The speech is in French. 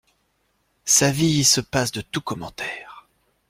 Sa vie se passe de tout commentaire.